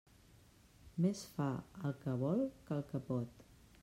Més fa el que vol que el que pot.